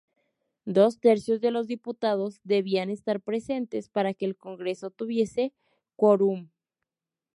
Dos tercios de los diputados debían estar presentes para que el Congreso tuviese quórum.